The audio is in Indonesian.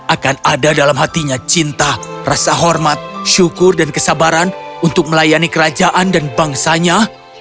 akan ada dalam hatinya cinta rasa hormat syukur dan kesabaran untuk melayani kerajaan dan bangsanya